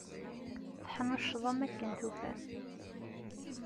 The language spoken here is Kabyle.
Teḥnuccḍem akken tufam.